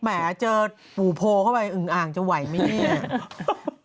แหมเจอปู่โพเข้าไปอึงอ่างจะไหวไหมเนี่ย